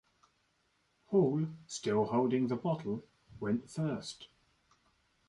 Hall, still holding the bottle, went first.